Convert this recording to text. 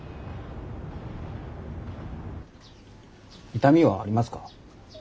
痛みはありますか？